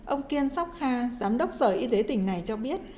ông kiên sóc kha giám đốc sở y tế tỉnh này cho biết